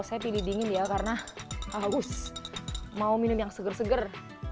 ini bisa didingin ya karena haus mau minum yang seger seger